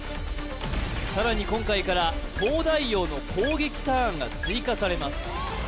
さらに今回から東大王の攻撃ターンが追加されます